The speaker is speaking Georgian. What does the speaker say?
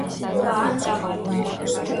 და ალ კამარი...